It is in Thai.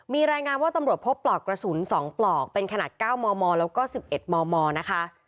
มีรายงานว่าตำรวจพบปลอกกระสุน๒ปลอกเป็นขนาด๙มมแล้วก็๑๑มมนะคะ